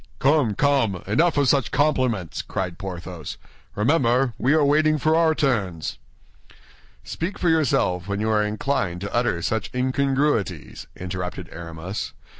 "Come, come, enough of such compliments!" cried Porthos. "Remember, we are waiting for our turns." "Speak for yourself when you are inclined to utter such incongruities," interrupted Aramis.